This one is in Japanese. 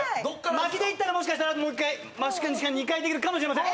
巻きでいったら、もしかしたらもう１回、２回できるかもしれません。